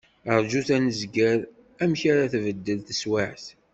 Rjut ad nẓer amek ara tbeddel teswiεt.